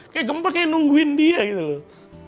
kayak gempa kayak nungguin dia gitu loh